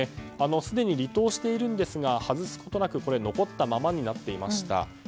すでに離党しているんですが外すことなく残ったままになっていました。